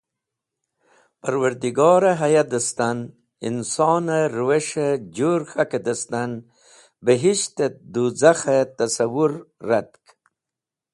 Parwardigore haya dẽstan inson-e rũwes̃h e jũr k̃hak dẽstan, bihisht et dũz̃akh-e tasawũr ratk.